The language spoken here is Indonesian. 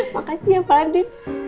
makasih ya pak adin